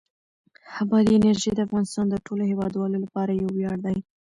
بادي انرژي د افغانستان د ټولو هیوادوالو لپاره یو ویاړ دی.